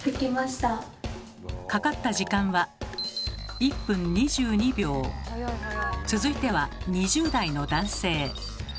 かかった時間は続いては２０代の男性。